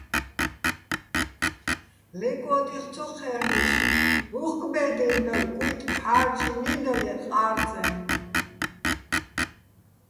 ლე კო́ტიხ ცო ჴე́რლ'ისო̆, უ̂ხკ ბე́დეჼ დალო̆, კუჲტი ჺარჭინი́ და ლე ყა́რწეჼ.